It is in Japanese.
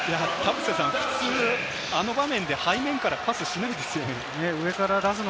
普通、あの場面で背面からパスしないですよ。